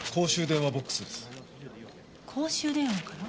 公衆電話から？